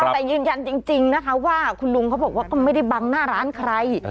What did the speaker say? แต่ยืนยันจริงนะคะว่าคุณลุงเขาบอกว่าก็ไม่ได้บังหน้าร้านใคร